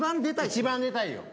一番出たいよ